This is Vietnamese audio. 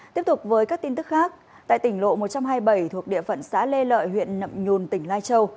tiếp tục với các tin tức khác tại tỉnh lộ một trăm hai mươi bảy thuộc địa phận xã lê lợi huyện nậm nhùn tỉnh lai châu